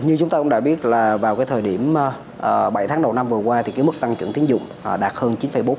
như chúng ta cũng đã biết là vào cái thời điểm bảy tháng đầu năm vừa qua thì cái mức tăng trưởng tiến dụng đạt hơn chín bốn